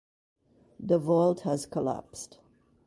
The vault has collapsed.